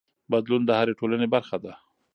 بدلون د هرې ټولنې برخه ده.